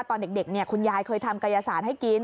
ตอนเด็กคุณยายเคยทำกายสารให้กิน